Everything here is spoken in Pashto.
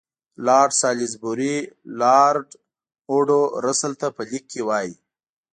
لارډ سالیزبوري لارډ اوډو رسل ته په لیک کې وایي.